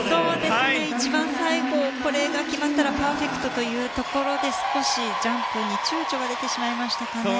一番最後これが決まったらパーフェクトというところで少しジャンプに躊躇が出てしまいましたかね。